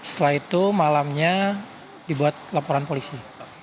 setelah itu malamnya dibuat laporan polisi